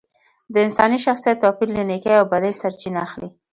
د انساني شخصیت توپیر له نیکۍ او بدۍ سرچینه اخلي